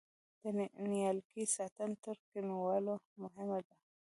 د نیالګي ساتنه تر کینولو مهمه ده؟